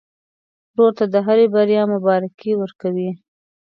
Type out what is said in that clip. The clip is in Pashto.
ورور ته د هرې بریا مبارکي ورکوې.